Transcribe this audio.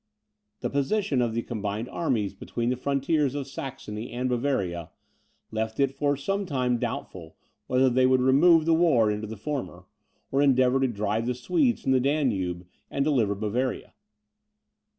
The position of the combined armies between the frontiers of Saxony and Bavaria, left it for some time doubtful whether they would remove the war into the former, or endeavour to drive the Swedes from the Danube, and deliver Bavaria.